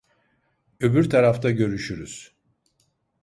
Öbür tarafta görüşürüz.